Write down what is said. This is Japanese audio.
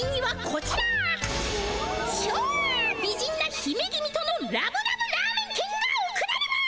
ちょう美人なひめ君とのラブラブラーメンけんがおくられます！